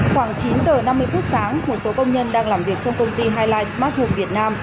khoảng chín giờ năm mươi phút sáng một số công nhân đang làm việc trong công ty hili smart home việt nam